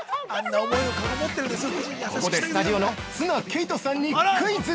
◆ここで、スタジオの綱啓永さんにクイズ！